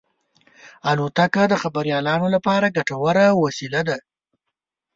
الوتکه د خبریالانو لپاره ګټوره وسیله ده.